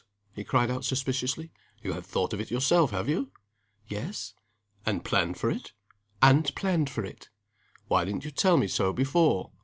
he cried out, suspiciously. "You have thought of it yourself, have you?" "Yes." "And planned for it?" "And planned for it!" "Why didn't you tell me so before?"